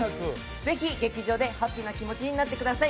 ぜひ劇場でハッピーな気持ちになってください